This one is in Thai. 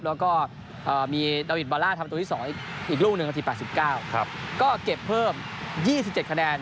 แล้วก็มีดาวิทบาล่าทำตัวที่๒อีกลูกหนึ่งนาที๘๙ก็เก็บเพิ่ม๒๗คะแนน